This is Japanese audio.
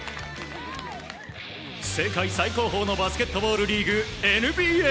世界最高峰のバスケットボールリーグ、ＮＢＡ。